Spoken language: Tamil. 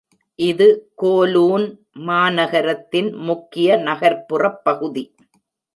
இது கோலூன் மாநகரத்தின் முக்கிய நகர்ப்புறப் பகுதி.